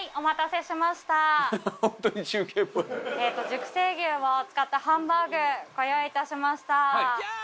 熟成牛を使ったハンバーグご用意いたしました。